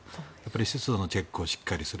湿度のチェックをしっかりする。